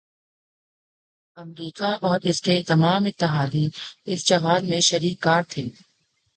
امریکہ اور اس کے تمام اتحادی اس جہاد میں شریک کار تھے۔